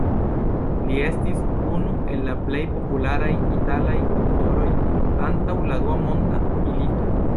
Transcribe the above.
Li estis unu el la plej popularaj italaj aŭtoroj antaŭ la Dua Monda Milito.